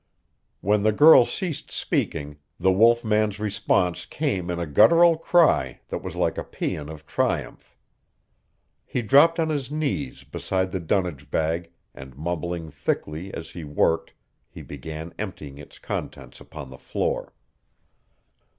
When the girl ceased speaking the wolf man's response came in a guttural cry that was like a paean of triumph. He dropped on his knees beside the dunnage bag and mumbling thickly as he worked he began emptying its contents upon the floor.